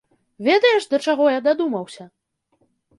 Ведаеш, да чаго я дадумаўся?